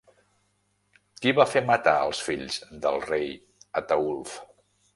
Qui va fer matar els fills del rei Ataülf?